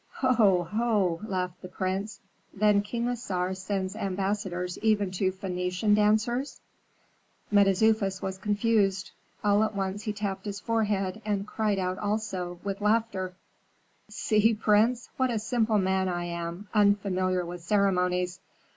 "Ho! ho!" laughed the prince. "Then King Assar sends ambassadors even to Phœnician dancers?" Mentezufis was confused. All at once he tapped his forehead, and cried out also, with laughter, "See, prince, what a simple man I am, unfamiliar with ceremonies.